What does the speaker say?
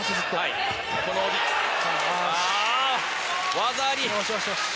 技あり！